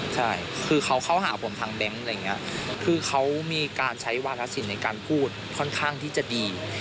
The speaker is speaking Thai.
ใช่คือเขาเข้าหาผมทางแบงค์อะไรอย่างนี้คือเขามีการใช้วาธศิลปในการพูดค่อนข้างที่จะดี